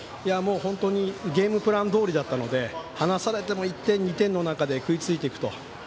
本当にゲームプランどおりだったので離されても１点２点の中で食いついていくと。